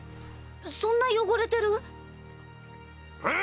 そんな汚れてる⁉プレイ！